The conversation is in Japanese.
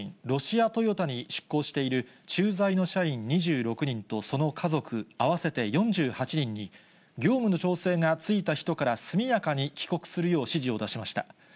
ロシアトヨタに出向している駐在の社員２６人と、その家族、合わせて４８人に、業務の調整がついた人から速やかに帰国するよう指示を出しました。